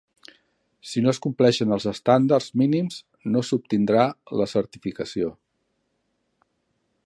Si no es compleixen els estàndards mínims, no s'obtindrà la certificació.